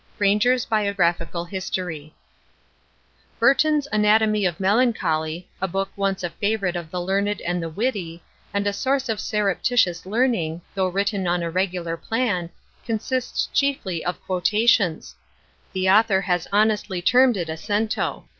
—Granger's Biographical History. BURTON'S ANATOMY OF MELANCHOLY, a book once the favourite of the learned and the witty, and a source of surreptitious learning, though written on a regular plan, consists chiefly of quotations: the author has honestly termed it a cento.